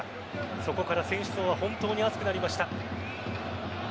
そこから選手層は本当に厚くなりました。